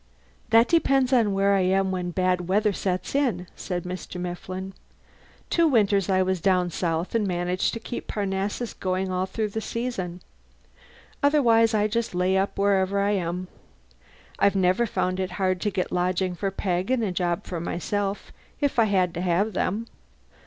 "That depends on where I am when bad weather sets in," said Mr. Mifflin. "Two winters I was down south and managed to keep Parnassus going all through the season. Otherwise, I just lay up wherever I am. I've never found it hard to get lodging for Peg and a job for myself, if I had to have them.